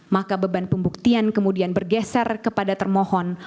maka beban pembuktian kemudian bergeser kepada termohon